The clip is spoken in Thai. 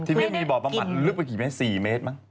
ที่พี่โบร์ดเลือกไปสี่เมตรน่ะ